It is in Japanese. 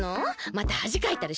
またはじかいたりしない？